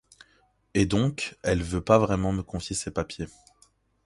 Et donc elle veut pas vraiment me confier ses papiers.